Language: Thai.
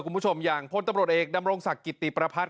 คุณผู้ชมอย่างพลตำรวจเอกดำรงศักดิ์กิติประพัทธ